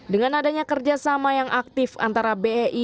dengan adanya kerjasama yang aktif antara bei